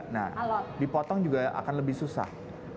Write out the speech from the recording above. nah dipotong juga akan lebih susah